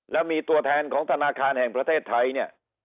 แล้วมีตัวแทนของธนาคารแห่งประเทศไทยเนี่ย